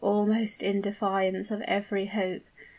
almost in defiance of every hope!